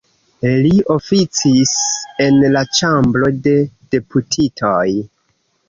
Li oficis en la Ĉambro de Deputitoj.